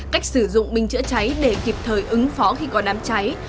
cách sử dụng bình chữa cháy để kịp thời ứng phó khi có đám cháy